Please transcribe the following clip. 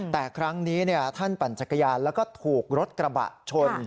แต่ครั้งนี้ท่านปั่นจักรยานแล้วก็ถูกรถกระบะชน